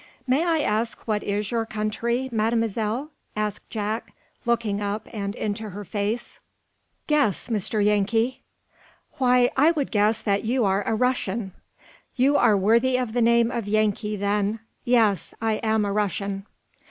"May I ask what is your country, Mademoiselle?" asked Jack, looking up and into her face. "Guess, Mr. Yankee!" "Why, I would guess that you are a Russian." "You are worthy of the name of Yankee, then. Yes; I am a Russian."